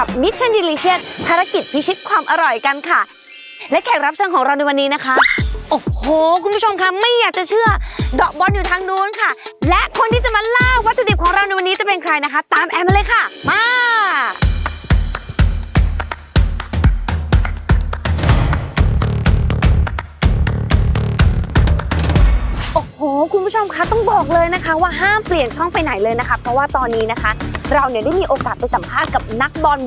สวัสดีค่ะคุณผู้ชมค่ะเราบอกเลยนะคะว่าต้องห้ามยอมเปลี่ยนช่องไปไหนเลยนะคะเพราะว่าตอนนี้นะคะเราจะได้มีโอกาสไปสัมภาษณ์กับนักบอกว่าดเปลี่ยนค่ะ